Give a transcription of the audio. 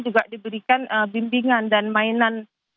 juga diberikan bimbingan dan mainan